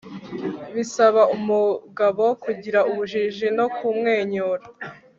bisaba umugabo kugira ubujiji no kumwenyura